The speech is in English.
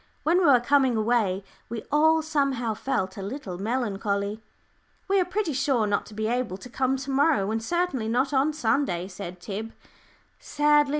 When we were coming away, we all somehow felt a little melancholy. "We are pretty sure not to be able to come to morrow, and certainly not on Sunday," said Tib, sadly.